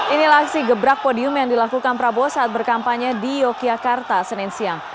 inilah aksi gebrak podium yang dilakukan prabowo saat berkampanye di yogyakarta senin siang